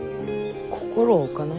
心を置かない？